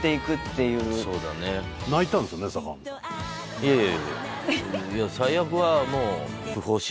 いやいや。